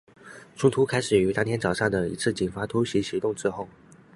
冲突开始于当天早上的一次警方突袭行动之后。